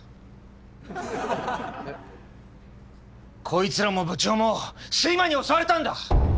こいつらも部長も睡魔に襲われたんだ！